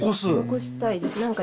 残したいです。